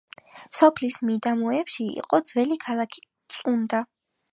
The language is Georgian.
სოფლის მიდამოებში იყო ძველი ქალაქი წუნდა.